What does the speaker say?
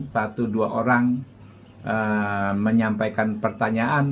satu dua orang menyampaikan pertanyaan